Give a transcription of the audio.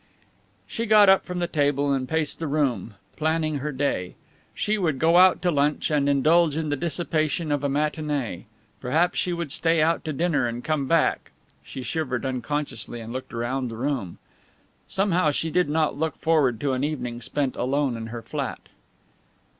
She got up from the table and paced the room, planning her day. She would go out to lunch and indulge in the dissipation of a matinee. Perhaps she would stay out to dinner and come back she shivered unconsciously and looked round the room. Somehow she did not look forward to an evening spent alone in her flat.